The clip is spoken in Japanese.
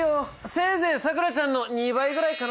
せいぜいさくらちゃんの２倍ぐらいかな。